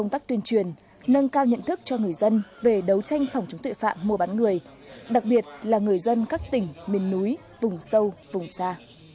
sau nhận thức cho người dân về đấu tranh phòng chống tội phạm mua bán người đặc biệt là người dân các tỉnh miền núi vùng sâu vùng xa